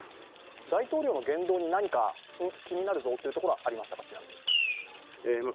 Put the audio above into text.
大統領の言動に何か気になるところはありましたか？